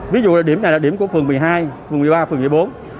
ví dụ là điểm này là điểm của phường một mươi hai phường một mươi ba phường một mươi bốn